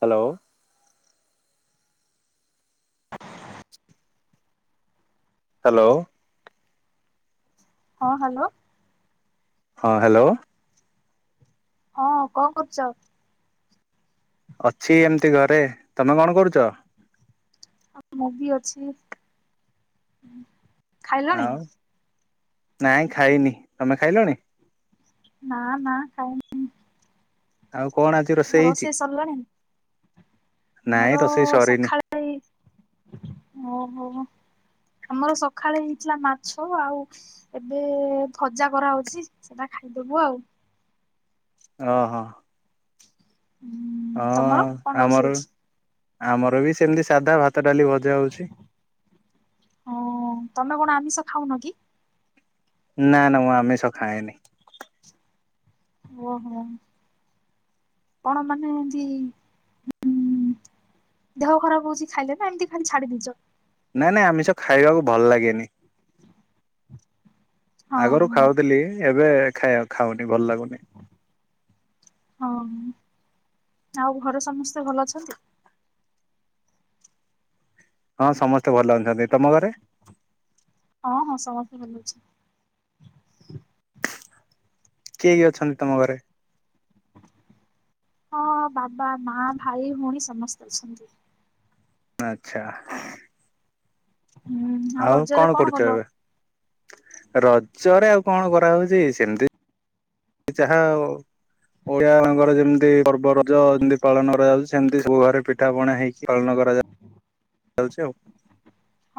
Hello. Hello. ହଁ hello. ହଁ hello. ହଁ କଣ କରୁଚ? ଅଛି ଏମିତି ଘରେ। ତୋମେ କଣ କରୁଚ? ହଁ ମୁଁ ବି ଅଛି। ଉଁ, ଖାଇଲଣି? ଆଉ ନାଇଁ ଖାଇନି। ତମେ ଖାଇଲଣି? ନା ନା ଖାଇନି। ଆଉ କଣ ଆଜି ହେଇଛି? ରୋଷେଇ ସରଲାଣି? ନାଇଁ ଆମର ରୋଷେଇ ସରିନି ସଖାଳେ, ଓହୋ! ଆମର ସଖାଳେ ହେଇଥିଲା ମାଛ। ଆଉ ଏବେ ଭଜା କରାହଉଚି। ସେଟା ଖାଇଦବୁ ଆଉ। ଓହୋ! ହୁଁ ଅ, ତମର କଣ ରୋଷେଇ ଆମର ହେଇଛି? ଆମର ବି ସେମିତି ସାଧା ଭାତ। ତ ଡାଲି ଭଜା ହଉଚି। ହଁ ତମେ କଣ ଆମିଷ ଖାଉନ କି? ନା, ନା ମୁଁ ଆମିଷ ଖାଏନି। ଓହୋଃ କଣ? ମାନେ ଏମତି। ଦେହ ଖରାପ ହଉଚି ଖାଇଲେ। ନା, ଏମିତି ଖାଲି ଛାଡିଦେଇଚ? ନାଇଁ, ନାଇଁ ଆମିଷ ଖାଇବାକୁ ଭଲ ଲାଗେନି। ହଁ ଆଗରୁ ହଁ ଖାଉଥିଲି। ଏବେ ଖାଇବାକୁ ଖାଉନି ଭଲ ଲାଗୁନି। ହଁ ଆଉ ଘରେ ସମସ୍ତେ? ସ୍ତେ ଭଲ ଅଛନ୍ତି? ହଁ ସମସ୍ତେ ଭଲ ଅଛନ୍ତି। ତମ ଘରେ? ହଁ, ହଁ ସମସ୍ତେ ଭଲ ଅଛୁ। କିଏ, କିଏ ଅଛନ୍ତି ତମ ଘରେ? ହଁ, ବାବା, ମା, ଭାଇ, ଭଉଣୀ, ସମସ୍ତେ ଅଛନ୍ତି। ଆଚ୍ଛା। ହୁଁ ଆଉ ରଜରେ କଣ କଲ? ରଜରେ ଆଉ କଣ କରାହଉଚି ସେମିତି ଯାହା ଓ ଓଡ଼ିଆମାନଙ୍କର ଯେମିତି ପର୍ବ ରଜ ଯେମିତି ପାଳନ କରାଯାଉଚି, ସେମିତି ସବୁ ଘରେ ପିଠା ପଣା ହେଇକି ପାଳନ କରାଯାଉ ଚାଲଚି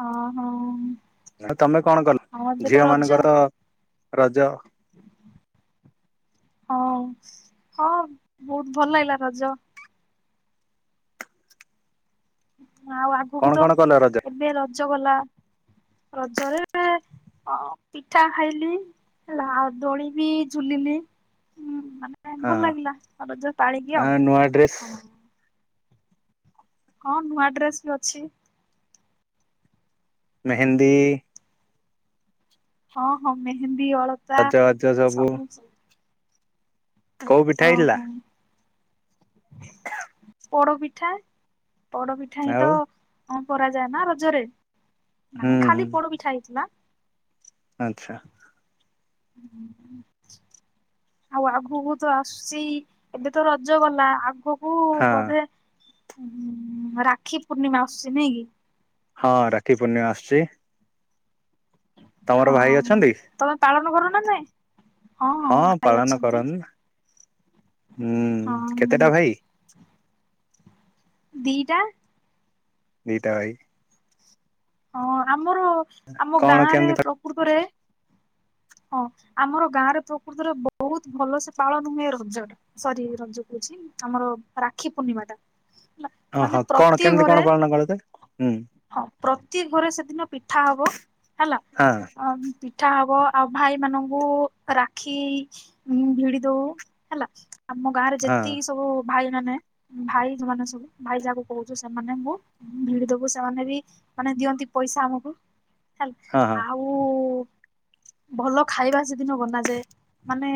ହଁ ହଁ ତମେ କଣ କଲ ହଁ ଏବେ ତ ଝିଅ ରଜ ମାନଙ୍କର ରଜ । ହଁ ହଁ ବହୁତ ଭଲ ଲାଗିଲା ରଜ । ଆଉ ଆଗକୁ କଣ ତ କଣ କଲ ରଜ ଏବେ ର ଜ ଗଲା। ରଜରେ ପିଠା ଖାଇଲି ହେଲା ଆଉ ଦୋଳି ବି ଝୁଲିଲି। ମାନେ ହଁ ଭଲ ଲାଗିଲା ରଜ ପାଳିକି ଆ ଆଉ ନୂଆ ଡ୍ରେସ୍ ହଁ। ହଁ ନୂଆ ଡ୍ରେସ ବି ଅଛି । ମେହେନ୍ଦୀ । ହଁ ହଁ ମେହେନ୍ଦୀ । ବି ଅଳତା ସବୁ ସ କୋଉ ପିଠା ହେଇଥିଲା? ପୋଡ଼ ପିଠା । ପୋଡ଼ପିଠା ହିଁ ଆଉ ତ ହ କରାଯାଏ ନା ରଜରେ । ହୁଁ ନାଇଁ ହୁଁ ଖାଲି ପୋଡ଼ ପିଠା ହେଇଥିଲା। ଆଚ୍ଛା । ଆଉ ଆଗକୁ ତ ଆସୁଚି, ଏବେ ତ ରଜ ଗଲା ଆଗ ହଁ। ରାକ୍ଷୀ ପୂର୍ଣ୍ଣିମା ଆସୁଛି ନାଇଁ କି? ହଁ ରାକ୍ଷୀ ପୂର୍ଣ୍ଣିମା ଆସୁଛି। ତମର ହଁ ଭାଇ ଅଛନ୍ତି? ତମେ ପାଳ [unintelligible] [inaudible] କରନା ନାଇଁ ହଁ ପାଳନ କର ହୁଁ ହଁ କେତେଟା ଭାଇ ଦିଟା । ଦିଟା ଭାଇ । ହ ଆ ଆମର ଆମ କଣ ଗାଁରେ କେମିତି ପ୍ରକୃତରେ ହଁ ଆମର ଗାଁ ରେ ପ୍ରକୃତରେ ବହୁତ ଭଲ ସେ ପାଳନ ହୁଏ ରଜରେ। ସରି ରଜ କହୁଛି ଆମର ରାକ୍ଷୀ ପୂର୍ଣ୍ଣିମାଟା ୲ ଓହୋ କଣ କେମିତି କଣ ପାଳନ କରଯାଏ ହୁଁ ହଁ ପ୍ରତି ଘରେ ସେଦିନ ପିଠା ହବ ହେଲା ହଁ ପିଠା ହେବ ଆଉ ଭାଇ ମାନଙ୍କୁ ରାକ୍ଷୀ ଭିଡି ଦଉ ହେଲା ଆମ ଗାଁରେ ହଁ ଯେତିକି ସବୁ ଭାଇ ମାନେ ଭାଇ ଯୋଉମାନେ ସବୁ ଭାଇ ଯାହାକୁ କହୁଛୁ ସେମାନେଙ୍କୁ ଭିଡି ଦବୁ ସେମାନେ ବି ମାନେ ଦିଅନ୍ତି ପଇସା ଆମକୁ ଲ ହଁ ହଁ। ଆଉ ଭଲ ଖାଇବା ସେଦିନ ବନାାଯାଏ ମାନେ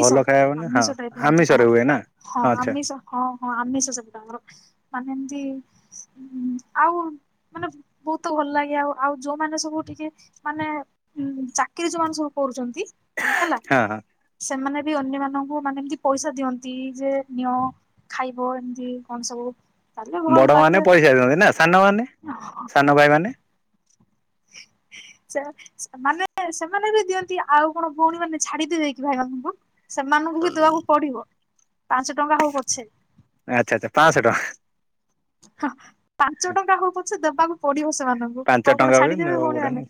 ଭଲ ଖାଇବା ମାନେ ହଁ ଆମିଷ ଟାଇପ ଏମତି ଆମିଷରେ କଣ ହୁଏ ନା ହଁ ଆଚ୍ଛା ଆମିଷ ହଁ ହଁ ଆମିଷ ସବୁ ତାଙ୍କର ମାନେ ଏମତି ଆଉ ମାନେ ବହୁତ ଭଲ ଲାଗେ ଆଉ ଆଉ ଯୋଉମାନୋନ ସବୁ ଟିକେ ମାନେ ଚାକିରି ଯୋଉମାନୋନ ସବୁ କରୁଛନ୍ତି ହେଲା ହଁ ହଁ ସେମାନେ ଅନ୍ୟମାନଙ୍କୁ ମାନେ ଏମତି ପଇସା ଦିଅନ୍ତି ଯେ ନିଅ ଖାଇବ ଏମତି କଣ ସବୁ ତାହେଲେ ଭଲ ବଡ ମାନେ ଲାଗେ ପଇସା ଦିଅନ୍ତି ନା ସାନ ମାନେ ସାନ ଭାଇ ମାନେ ସେ ମାନେ ସେମାନେ ବି ଦିଅନ୍ତି ଆଉ କଣ ଭଉଣୀ ମାନେ ଛାଡିଦି ଦେଇକି ଭାଇମାନାନଙ୍କୁ ସେମାନଙ୍କୁ ବି ଦବାକୁ ପଡିବ। ପାଞ୍ଚ ଟଙ୍କା ହଉ ପଛେ ଆଚ୍ଛା ଆଚ୍ଛା ପାଞ୍ଚଶହ ଟଙ୍କା ହଁ ପାଞ୍ଚ ଟଙ୍କା ହଉ ପଛେ ଦେବାକୁ ପଡିବ ସେମାନଙ୍କୁ ପାଞ୍ଚ ଆଉ କଣ ଟଙ୍କା ବି ଛାଡିଦେବେ ଭଉଣୀ ମାନେ ଦଉନି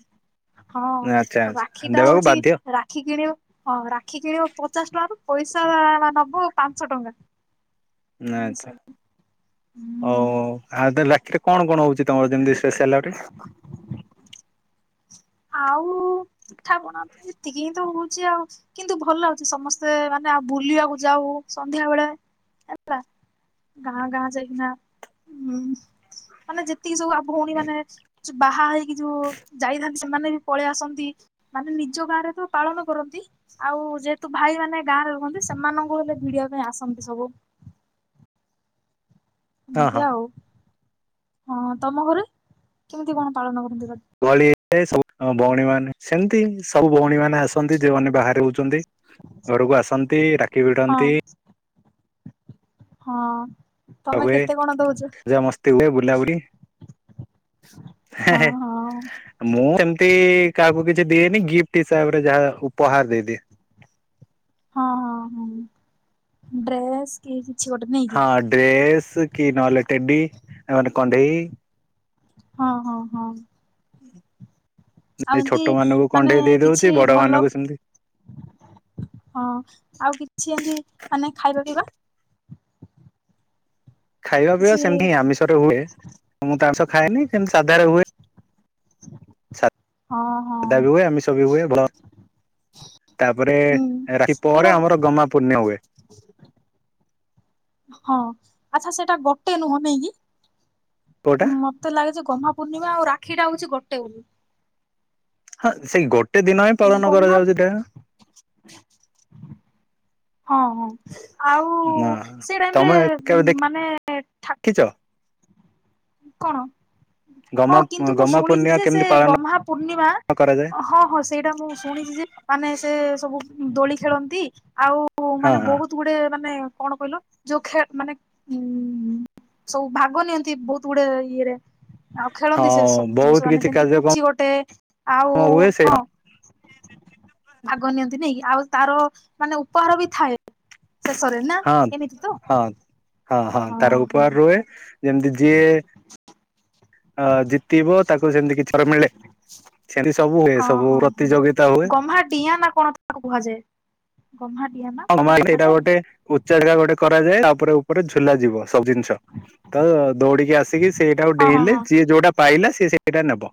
ଆଚ୍ଛା ହଁ ଆଚ୍ଛା ରାକ୍ଷୀ ଟା ଦେବାକୁ ହଉଛି ବାଧ୍ୟ ରାକ୍ଷୀ କିଣିବ ହଁ ରାକ୍ଷୀ କିଣିବ ପଚାଶ ଟଙ୍କାରୁୁ ପଇସା ନବୁ ପାଞ୍ଚ ଟଙ୍କା ଏମିତି ଆଛା ସବୁ ହୁଁ ହ ଆ ଲି କଣ କଣ ହଉଛି ତମର ଯେମିତି ସ୍ପେଶଆଲଟି? ଆଉ ପିଠା ପଣା ଏତିକି ହିଁ ତ ହଉଛି ଆଉ କିନ୍ତୁ ଭଲ ଲାଗୁଛି ସମସ୍ତେ ମାନେ ଆଉ ବୁଲିବାକୁ ଯାଉ ସନ୍ଧ୍ୟା ବେଳେ ହେଲା ଗାଁ ଗାଁ ଯାଇକିନା ହଁ ମାନେ ଯ? ତି ଯଉ ଆବ ଭଉଣୀ ମାନେ ବାହା ହେଇକି ଯୋ ଯାଇନା ସେମାନେ ବି ପଳେଇ ଆସନ୍ତି ମାନେ ନିଜ ଗାଁ ରେ ତ ପାଳନ କରନ୍ତି ଆଉ ଯେହେତୁ ଭାଇ ମାନେ ଗାଁରେ ରୁହନ୍ତି ସେମାନଙ୍କୁ ହେଲେ ଭିଡିବା ପାଇଁ ଆସନ୍ତି ସବୁ? ହଁ ମତି ହଁ ଆଉ ହଁ ତମ ଘରେ କେମିତି କଣ ପାଳନ କର [unintelligible] ଏ ସବୁ ଭଉଣୀ ମାନ ସେମିତି ସବୁ ଭଉଣୀ ମାନେ ଆସନ୍ତି ଯୋଉମାନୋନ ବାହାରେ ହଉଛନ୍ତି ଘରକୁ ଆସନ୍ତି ରାକ୍ଷୀ ଭିଡ଼ ହଁ ନ୍ତି? ହଁ ତମେ କେତେ କଣ ଦଉଛ ତିନ୍ଦେ ବୁର୍ଲା ବୁଡ଼ି ହେ ହଁ ହେ ହଁ ମୁଁ ତେମ୍ତି କାହାକୁ କିଛି ଦିଏନି ଗିଫ୍ଟ ହିସାବ୍ରେ ଯାହା ଉପହାର୍ ଦେଇ ଦିଏ ହଁ ହଁ ହୁଁ ଡ୍ରେସ୍ କିଃ ହାଁ ଡ୍ରେସ୍ କି ନଏଲେ ଟେଡି ନହେଲେକଣ୍ଢେଇ [inaudible] ହଁ ହଁ ହଁ- ଆଉ [inaudible] ଏମିତି ଛୋଟମାନାନଙ୍କୁ ମାନେ କଣ୍ଢେଇ ଦେଇ କିଛି ଦଉଚି ବଡ ଭଲ ମାନଙ୍କୁ ସେମିତି ହଁ ଆଉ କିଛି ଏମିତି ମାନେ ଖାଇବା ପିଇବା ଖାଇବା ପିବା କିଛି ସେମତି ଆମିଷରେ ହୁଏ ମୁଁ ତ ଆମିଷ ଖାଏନି ସେମିତି ସାଧାରେ ହୁଏ। [unintelligible] ହଁ ହଁ ଧା ବି ଆମିଷ ବି ହୁଏ ଭ ତାପରେ ହୁଁ ଏ ରାଖି ଏଇଟା ପରେ ଆମର ଗମ୍ହା ପୁର୍ଣିମା ହୁଏ। ହଁ ଆଚ୍ଛା ସେଇଟା ଗଟେ ନୁହଁ କୋଉଟା ନେଇକି ମତେ ଲାଗେ ଯେ ଗମ୍ହା ପୂର୍ଣ୍ଣିମା ଆଉ ରା କ୍ଷୀଟା ଅଉଛି ଗୋଟେ ଉ ହାଁ ସେଇ ଗୋଟ୍ ଟେ ଦିନ ଇଁ ପାଳନ ଗହ୍ମା କରାଯାଉଜି ଡା ହଁ ହଁ [inaudible] ଆଉ ନା ସେ ରାଇମ୍ ରେ ତମେ କେବେ ମାନେ ଠା ଦେଖିଛ କଣ ଅଁ ଗମା କିନ୍ତୁ ମୁଁ ଗମା ଶୁଣିସି ପୂର୍ଣ୍ଣିମା ଯେ ସେ କେମିତି ପାଳନ ଗହ୍ମା ପୂର୍ଣ୍ଣିମା କରାଯାଏ ହଁ ହଁ ସେଇଟା ମୁଁ ଶୁଣିସି ଯେ ମାନେ ସେ ସବୁ ଦୋଳି ଖେଳନ୍ତି ଆଉ ଉ ହଁ ମାନେ ହଁ ବହୁତ୍ ଗୁଡେ ମାନେ କଣ କଇଲ ଯୋଉ ଖେ ମାନେ ଉଁ ସଉ ଭାଗ ନିଅନ୍ତି ବହୁତ୍ [unintelligible] ଇଏରେ ଆଉ ହଁ ଖେଳନ୍ତି ସେ ସବୁ ଜିନ୍ଷ ବହୁତ ମାନେ କିଛି ଯେମ୍ତି ପୁଚି କାର୍ଯ୍ୟକ୍ରମ ଗୋଟେ ଆଉ ହୁଏ ସେ ହଁ ଭାଗ ନିଅନ୍ତି ନେଇ କି ଆଉ ତାର ମାନେ ଉପହାର ବି ଥାଏ। ଶେଷରେ ନା ଏମିତି ତ ହାଁ ହାଁ ହଁ ତାର ହଁ ଉପଆର ହଁ ଯେମିତି ଯିଏ ଆ ଜିତିବ ତାକୁ ସେମ୍ତି କି ଥର ମିଳେ ସେମ୍ତିସ୍ ହଁ ହଁ ହଁ ଗହ୍ମା ଦିଆଁ ନା କଣତ୍ ତାକୁ କୁହାଯାଏ। ଗହ୍ମା ଡିଆଁ ନା କଣ [unintelligible] କୁହାଯାଏ ନା ଗଟେ ଉଚାଜା ଗଟେ କରାଯାଏ ଆ ଉପ୍ରେ ଉପ୍ରେ ଝୁଲାଯିବ। ସବ୍ ଜିନିଷ ତ ଦୌଡ଼ିକି ଆସିକି ସେଇଟାକୁ ହଁ ହଁ ଡେଇଁଲେ ହଁ ଯିଏ ଯୋଉଟା ପାଇଲା ସିଏ ସେଇ ସେଇଟା ନେବ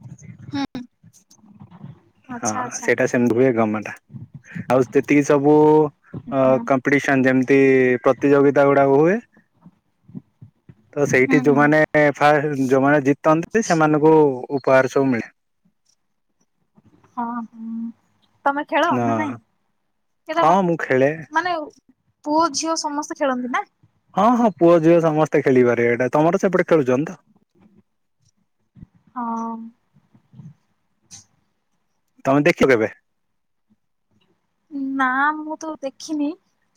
ହଁ ଆଚ୍ଛା ଆଚ୍ଛା ସେଇଟା ସେମିତି ହୁଏ ଗମଟା ଆଉ ସେତିକି ସବୁ ଅ ହୁଁ କମ୍ପ୍ଡିସନ ଯେମିତି ପ୍ରତିଯୋଗିତା ଗୁଡାକ ହୁଏ ପ୍ର ତ ହୁଁ ସେଇଠି ହୁଁ ଯୋଉମାନେ ଫା ଯୋଉମାନେ ଜିତନ୍ତି ସେମାନଙ୍କୁ ଉପ୍ ହାର୍ ସବୁ ମିଳେ। ହଁ ହଁ। ତମେ ଖେଳ ନା ନାଇଁ ହଁ [unintelligible] ମୁଁ ଖେଳେ ମାନେ ପୁଅ ଝିଅ ସମସ୍ତେ ଖେଳନ୍ତି ନା। ହଁ ହଁ ପୁଅ ଝିଅ ସମସ୍ତେ ଖେଳିପାରିବ ଏଇଟା ତମର ସେପଟେ ଖେଳୁଚନ୍ତି ତ। ହଁ। ତମେ ଦେଖି ଦେବେ। ନା ମୁଁ ତ ଦେଖିନି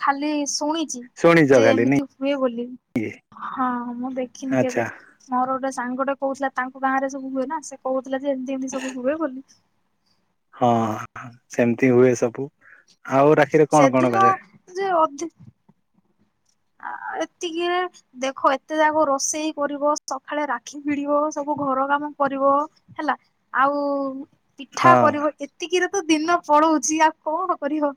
ଖାଲି ଶୁଣି ଚି ଶୁଣିଛ ଯେ ଖାଲି ନାଇଁ ଏମିତି ହୁଏ ବୋଲି କି ହଁ ମୁଁ ଦେଖିନି କେବେ ଆଚ୍ଛା ମୋର ଗୋଟେ ସାଙ୍ଗଟେ କହୁଥିଲା ତାଙ୍କ ଗାଁ ରେ ସବୁ ହୁଏ ନା। ସେ କହୁଥିଲା ଯେ ଏମିତି ଏମିତି ସବୁ ହୁଏ ବୋଲି। ହଁ ସେମିତି ହୁଏ ସବୁ। ଆଉ ରାକ୍ଷୀରେ କଣ କଣ ସେଦିନ ଲାଗେ। [inaudible] ଆ ଏତିକି ଏ ଦେଖ ଏତେ ଯାକ ରୋଷେଇ କରିବ ସକାଳେ ରାକ୍ଷୀ ଭି ସବୁ ଘର କାମ କରିବ ହେଲା ଆଉ ପିଠା ହଁ କରିବ ଏତିକିରେ ତ ଦିନ ପଳଉଛି ।ଆଉ କଣ କରିବ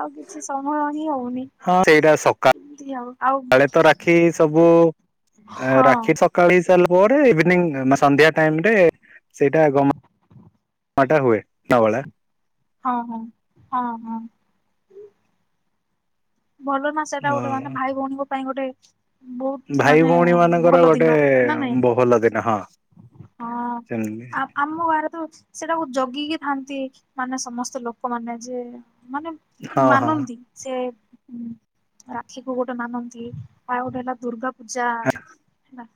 ଆଉ କିଛି ସମୟ ହିଁ ହଉନି ହଁ ସେଇଟା ସକା ଏମିତି ଆଉ ଆଉ କାଳେ ତ ରାକ୍ଷୀ ସବୁ ଓ ଆ ହଁ ରାକ୍ଷୀ ସକାଳେ ସାରିଲା ପରେ ଇଭିନି ସନ୍ଧ୍ୟା ଟାଇମ ରେ ସେଇଟା ଗମା ଟା ହୁଏ ବଳା। ହଁ ହଁ ହଁ ହଁ। ଭଲ ନା ସେଇଟା ଗୋଟେ ହଁ ମାନେ ଭାଇ ଭଉଣୀ ଙ୍କ ପାଇଁ ଗୋଟେ ବହୁତ ଭାଇ ମାନେ ଭଉଣୀ ମାନଙ୍କର ଭଲ ଦିନ ଗୋଟେ ।ନା ନାଇଁ ବହୁଲ ଦିନ ହଁ ହଁ ସେମିତି ଆ ଆମ ଗାଁରେ ତ ଅଛି। ସେଟାକୁ ଜଗିକି ଥାନ୍ତି ମାନେ ସମସ୍ତ ଲୋକମାନେ ଯେ ମାନେ ହଁ ହଁ ମାନନ୍ତି ଯେ ରାକ୍ଷୀ କୁ ଗୋଟେ ମାନନ୍ତି। ଆଉ ଗୋଟେ ହେଲା ଦୁର୍ଗାପୁ ଜା ହେଲା।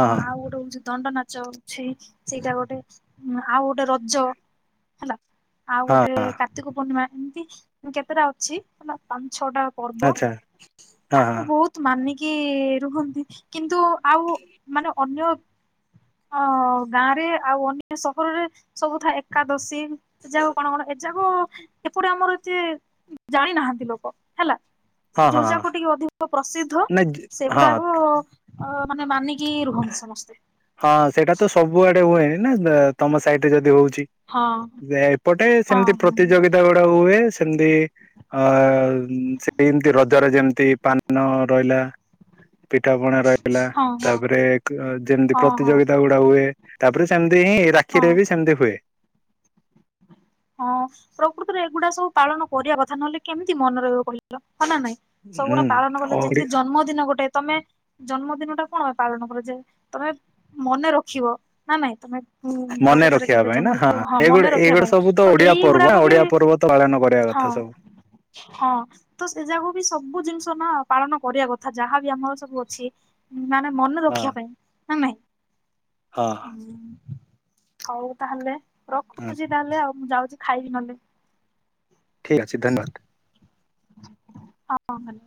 ହଁ ଆଉ ଗୋଟେ ହୋଉଚି ଦଣ୍ଡ ନାଚ ଅଛି ସେଇଟା ଗୋଟେ ଆଉ ଗୋଟେ ରଜ ହେଲା। ଆଉ ହଁ ଗୋଟେ ହଁ କାର୍ତ୍ତିକ ପୂର୍ଣ୍ଣିମା। ଏମିତି କେତେଟା ଅଛି ହେଲା। ଛଅଟା ପର୍ବ ଆଚ୍ଛା ହଁ ହଁ ଆକୁ ବହୁତ ମାନିକି କିଏ ରୁହନ୍ତି କିନ୍ତୁ ଆଉ ମାନେ ଅନ୍ୟ ଅ ଗାଁରେ ଆଉ ଅନ୍ୟ ସହରରେ ସବୁ ଥାଏ ଏକାଦଶୀ ଏ ଯାକ କଣ କଣ ଏଯାକ ଏପଟେ ଆମର ଏତେ ଜାଣି ନାହାନ୍ତି ଲୋକ ହେଲା। ହଁ ହଁ ଯୋଉ ହଁ ଯାକ ଟିକେ ଅଧିକ ପ୍ରସିଦ୍ଧ ନାଇଁ ହଁ ସେଗୁଡାକ ଅ ମାନେ ମାନିକି ରୁହନ୍ତି ସମସ୍ତେ। ହଁ ସେଇଟା ତ ସବୁଆଡେ ହୁଏ। ନା ତମ ସାଇଡ ଯଦି ହଉ ଚି ହଁ ଏପଟେ ହଁ ସେମିତି ହଁ ପ୍ରତିଯୋଗିତା ଗୁଡାକ ହୁଏ ସେମିତି ଅ ସେମତି ରଜରେ ଯେମିତି ପାନ ରହିଲା। ପିଠା ପଣା ରହିଲା ହଁ ହଁ ତାପରେ ଯେମିତି ହଁ ହଁ ପ୍ରତିଯୋଗିତା ଗୁଡା ହୁଏ ତାପରେ ସେମିତି ହିଁ ହଁ ରାକ୍ଷୀରେ ବି ସେମିତି ହୁଏ। ହଁ ପ୍ରକୃତରେ ଏଗୁଡା ସବୁ ପାଳନ କରିବା କଥା ନହେଲେ କେମିତି ମନେ ରହିବ କହିଲ। ହଁ ନା ନାହିଁ ସବୁଗୁଡା ହୁଁ ପାଳନକଳେ ଓଡି ଯେମିତି ଜନ୍ମଦିନ ଗୋଟେ। ତମେ ଜନ୍ମଦିନ ଟା କଣ ପାଇଁ ପାଳନ କର ଯେ ତମେ ମନେ ରଖିବ ନା ନାଇଁ ତମେ ପ୍ରକୃତରେ ମନେରଖିବା କେବେ ପାଇଁ ଜନ୍ମ ନା ହଁ ହେଇଥିବ ମନେ ଏଗୁଡେ ରଖିବା ଏଗୁଡା ପାଇଁ। ସବୁ ତ ତ ଓଡିଆ ପର୍ବ ଏଇଗୁଡାକ ବି ଓଡିଆ ପର୍ବ ତ ପାଳନ କରିବା ହଁ କଥା ସବୁ ହଁ ତ ସେ ଯାକୁ ବି ସବୁ ଜିନଷ୍ ନା ପାଳନ କରିବା କଥା ଯାହାବି ଆମର ସବୁ ଅଛି। ନା ନା ହଁ ମନେରଖିବା ପାଇଁ। ନା ନହିଁ? ହଁ। ହଉ ତାହେଲେ ହଁ ରଖୁଚି ତାହେଲେ ଆଉ। ମୁଁ ଯାଉଚି ଖାଇବି ନହଲେ। ଠିକ୍ ଅଛି ଧନ୍ୟବାଦ। ହଁ ଭଲ।